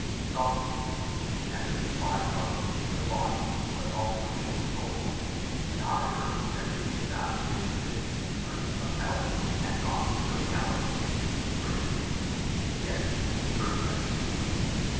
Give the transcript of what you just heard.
SOCRATES: And this applies not only to the body, but also to the soul: in either there may be that which gives the appearance of health and not the reality? GORGIAS: Yes, certainly.